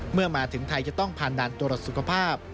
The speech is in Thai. เมื่อมาถึงไทยจะต้องผ่านด่านตรวจสุขภาพ